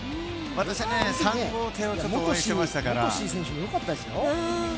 私は３号艇を応援していましたから。